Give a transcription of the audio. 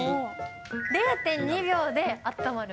０．２秒であったまる。